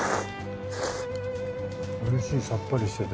おいしいさっぱりしてて。